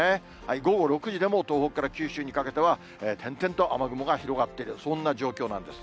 午後６時でも、東北から九州にかけては、点々と雨雲が広がってる、そんな状況なんです。